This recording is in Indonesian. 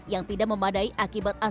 yang tidak memadai akibat